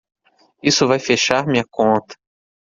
Isso vai fechar minha conta.